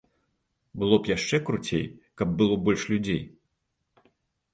Было б яшчэ круцей, каб было больш людзей.